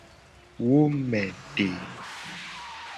Wo me te.